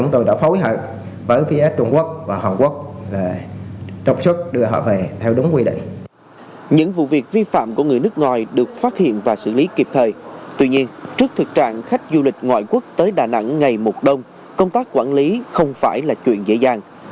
tuy nhiên trước thực trạng khách du lịch ngoại quốc tới đà nẵng ngày một đông công tác quản lý không phải là chuyện dễ dàng